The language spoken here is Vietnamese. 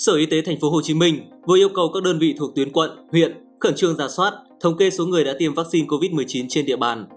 sở y tế tp hcm vừa yêu cầu các đơn vị thuộc tuyến quận huyện khẩn trương giả soát thống kê số người đã tiêm vaccine covid một mươi chín trên địa bàn